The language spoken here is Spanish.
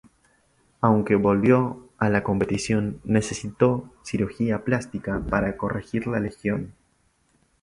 Aunque volvió a la competición, necesitó cirugía plástica para corregir la lesión.